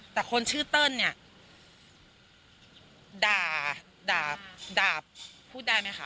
แต่คนชื่อเติ้ลเนี่ยด่าด่าพูดได้ไหมคะ